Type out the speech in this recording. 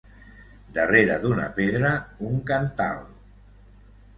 Darrere d'una pedra, un cantal.